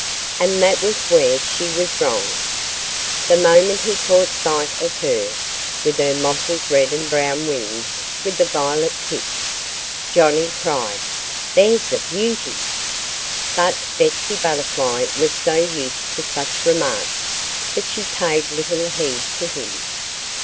And that was where she was wrong. The moment he caught sight of her, with her mottled red and brown wings with the violet tips, Johnnie cried: "There's a beauty!" But Betsy Butterfly was so used to such remarks that she paid little heed to him.